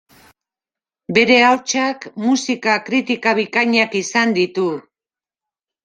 Bere ahotsak musika kritika bikainak izan ditu.